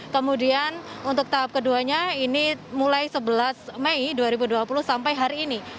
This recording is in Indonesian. kemudian untuk tahap keduanya ini mulai sebelas mei dua ribu dua puluh sampai hari ini